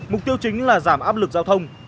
mục tiêu chính là giảm áp lực giao thông